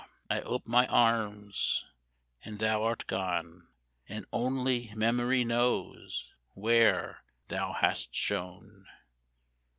I ope mine arms, and thou art gone, And only Memory knows where thou hast shone.